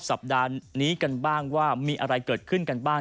สัปดาห์นี้กันบ้างว่ามีอะไรเกิดขึ้นกันบ้าง